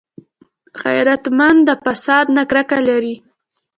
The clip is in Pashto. غیرتمند د فساد نه کرکه لري